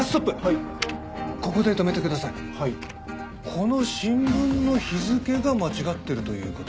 この新聞の日付が間違ってるという事ですか？